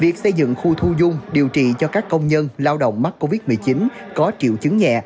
việc xây dựng khu thu dung điều trị cho các công nhân lao động mắc covid một mươi chín có triệu chứng nhẹ